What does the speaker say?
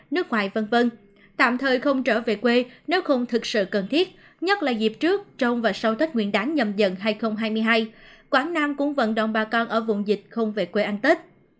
nước ngoài v v tạm thời không trở về quê nếu không thực sự cần thiết nhất là dịp trước trong và sau tết nguyên đáng nhầm dần hai nghìn hai mươi hai quảng nam cũng vận động bà con ở vùng dịch không về quê ăn tết